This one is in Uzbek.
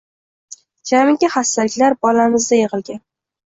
Jamiki xastaliklar bolamizda yig`ilgan